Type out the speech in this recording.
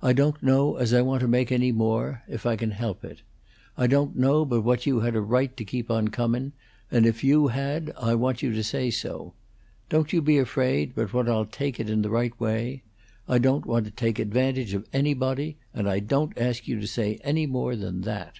"I don't know as I want to make any more, if I can help it. I don't know but what you had a right to keep on comin', and if you had I want you to say so. Don't you be afraid but what I'll take it in the right way. I don't want to take advantage of anybody, and I don't ask you to say any more than that."